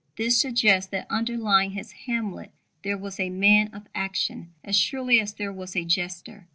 This suggests that underlying his Hamlet there was a man of action as surely as there was a jester.